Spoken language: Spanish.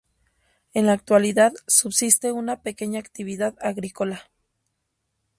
En la actualidad subsiste una pequeña actividad agrícola.